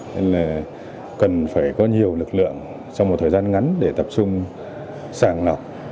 nên là cần phải có nhiều lực lượng sau một thời gian ngắn để tập trung sàng lọc